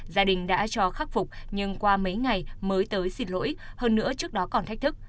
gia đình đã cho khắc phục nhưng qua mấy ngày mới tới xin lỗi hơn nữa trước đó còn thách thức